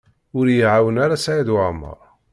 Ur y-iɛawen ara Saɛid Waɛmaṛ.